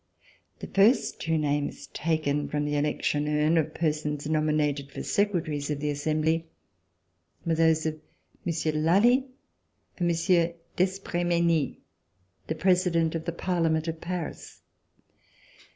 The first two names taken from the election urn, of persons nominated for Secretaries of the Assembly, were those of Monsieur de Lally and Monsieur d'Espremenil, the President of the Parliament of Paris.